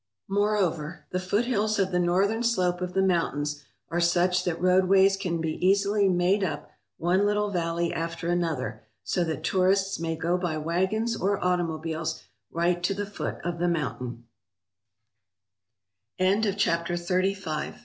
Moreover, the foothills of the northern slope of the mountains are such that roadways can be easily made up one little valley after another so that tourists may go by wagons or automobiles right to the foot of the mounta